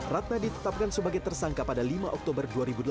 ratna ditetapkan sebagai tersangka pada lima oktober dua ribu delapan belas